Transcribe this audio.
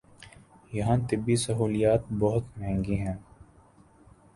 یہاں طبی سہولیات بہت مہنگی ہیں۔